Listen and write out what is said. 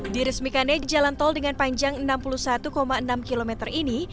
di resmikan ya di jalan tol dengan panjang enam puluh satu enam km ini